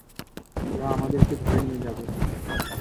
ওরা আমাদেরকে ধরে নিয়ে যাবে!